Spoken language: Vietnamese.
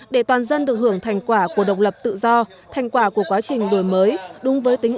để toàn dân được hưởng thành quả của độc lập tự do thành quả của quá trình đổi mới đúng với tính